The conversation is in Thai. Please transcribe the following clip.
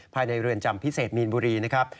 ภายในเรือนจำพิเศษมีนบุรีนะครับ